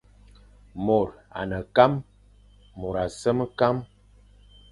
Môr a ne kam, môr a sem kam,